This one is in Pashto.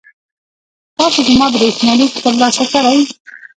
تاسو زما برېښنالیک ترلاسه کړی؟